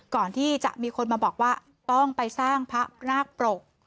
ก่อนที่จะมีคนมาบอกว่าต้องไปสร้างพระนาคปรก